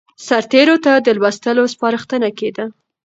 سرتېرو ته د لوستلو سپارښتنه کېده.